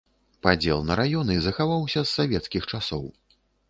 Падзел на раёны захаваўся з савецкіх часоў.